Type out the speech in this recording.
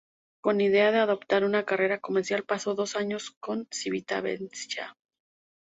Con idea de adoptar una carrera comercial pasó dos años en Civitavecchia.